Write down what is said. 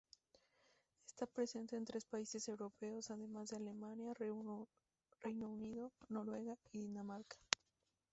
Está presente en tres países europeos, además de Alemania: Reino Unido, Noruega y Dinamarca.